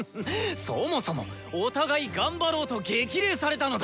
そもそも！お互い頑張ろうと激励されたのだ！